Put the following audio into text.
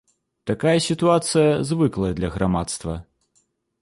Такая сітуацыя звыклая для грамадства.